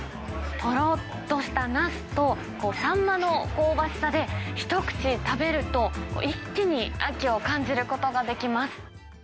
とろっとしたナスと、サンマの香ばしさで、一口食べると、一気に秋を感じることができます。